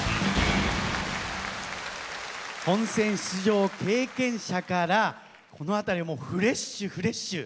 本選出場経験者からこの辺りはフレッシュフレッシュ。